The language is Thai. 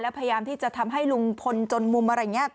พยายามที่จะทำให้ลุงพลจนมุมอะไรอย่างนี้